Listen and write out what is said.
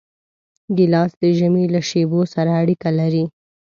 ګیلاس د ژمي له شېبو سره اړیکه لري.